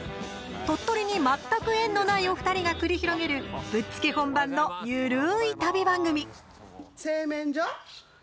鳥取に全く縁のないお二人が繰り広げるぶっつけ本番の緩い旅番組。